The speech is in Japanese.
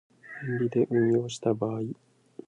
年利で運用した場合